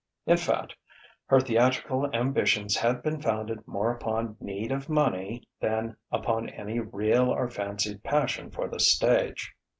In fact, her theatrical ambitions had been founded more upon need of money than upon any real or fancied passion for the stage.